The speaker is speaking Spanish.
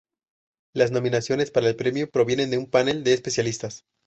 Las nominaciones para el premio provienen de un panel de especialistas.